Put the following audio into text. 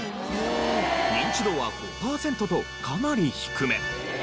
ニンチドは５パーセントとかなり低め。